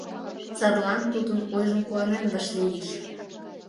Садлан тудын ойжым куанен вашлийыч.